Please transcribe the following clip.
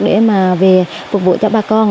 để mà về phục vụ cho bà con